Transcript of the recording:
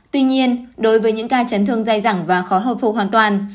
tuy nhiên đối với những ca chấn thương dài dẳng và khó hồi phục hoàn toàn